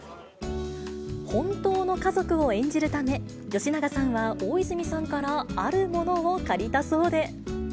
本当の家族を演じるため、吉永さんは大泉さんからあるものを借りたそうで。